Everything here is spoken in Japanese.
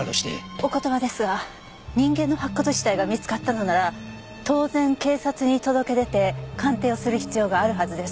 お言葉ですが人間の白骨死体が見つかったのなら当然警察に届け出て鑑定をする必要があるはずです。